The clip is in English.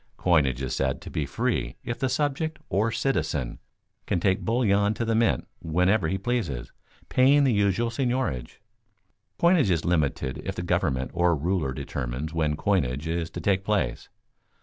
Coinage is said to be free if the subject or citizen can take bullion to the mint whenever he pleases, paying the usual seigniorage. Coinage is limited if the government or ruler determines when coinage is to take place.